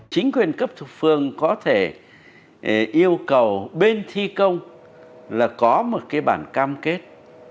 chính quyền cấp thuộc phương có thể yêu cầu bên thi công là có một cái bản cam kết